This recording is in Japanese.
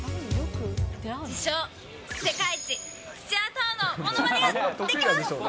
自称、世界一土屋太鳳のものまねができます。